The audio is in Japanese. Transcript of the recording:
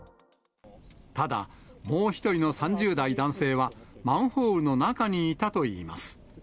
ただ、もう１人の３０代の男性はマンホールの中にいたといいます。